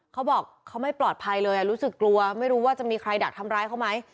เขาบอกเขาไม่ปลอดภัยเลยรู้สึกกลัวไม่รู้ว่าจะมีใครดักทำร้ายเขาไหม